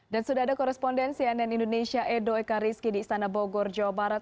dan sudah ada korespondensi ann indonesia edo eka rizky di istana bogor jawa barat